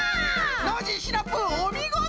ノージーシナプーおみごと！